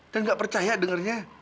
dan gak percaya dengernya